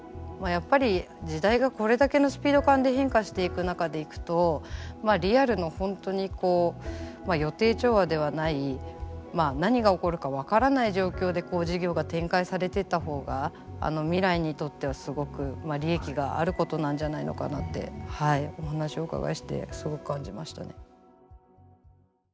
まあやっぱり時代がこれだけのスピード感で変化していく中でいくとまあリアルの本当にこう予定調和ではない何が起こるか分からない状況で事業が展開されてった方が未来にとってはすごく利益があることなんじゃないのかなってお話をお伺いしてそう感じましたね。